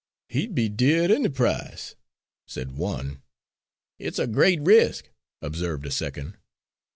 "He'd be dear at any price," said one. "It's a great risk," observed a second.